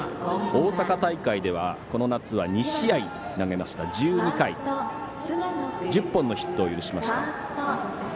大阪大会では、この夏は２試合投げました、１２回１０本のヒットを許しました。